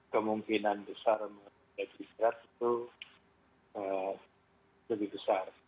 kemungkinan besar meningkat itu lebih besar